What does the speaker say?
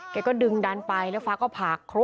ก็ดึงดันไปแล้วฟ้าก็ผ่าคลุ